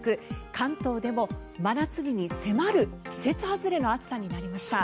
関東でも真夏日に迫る季節外れの暑さとなりました。